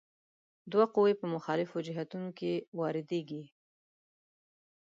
دوه قوې په مخالفو جهتونو کې واردیږي.